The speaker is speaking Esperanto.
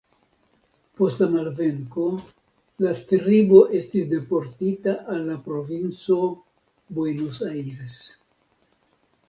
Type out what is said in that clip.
Post la malvenko la tribo estis deportita al la provinco Buenos Aires.